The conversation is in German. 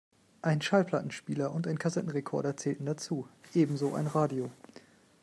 Ein Schallplattenspieler und ein Kassettenrekorder zählten dazu, ebenso ein Radio.